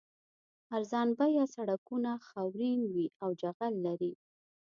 ارزان بیه سړکونه خاورین وي او جغل لري